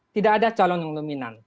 tidak ada calon yang dominan